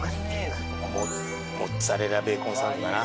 モッツァレラベーコンサンドだな。